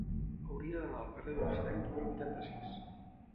Hauria d'anar al carrer d'Oristany número vuitanta-sis.